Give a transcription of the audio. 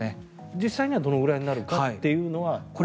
実際にはどのぐらいになりそうかというのは。